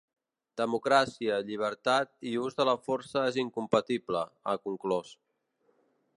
Democràcia, llibertat i us de la força és incompatible, ha conclòs.